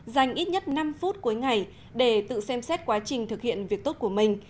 dành ít nhất năm phút cuối ngày để tự xem xét quá trình thực hiện việc tốt của mình